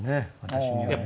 私にはね。